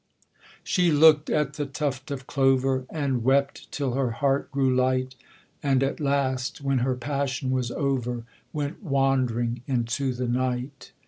She looked at the tuft of clover, And wept till her heart grew light; And at last, when her passion was over, Went wandering into the night.